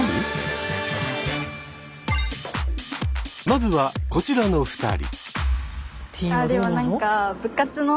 まずはこちらの２人。